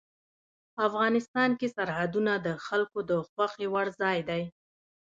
افغانستان کې سرحدونه د خلکو د خوښې وړ ځای دی.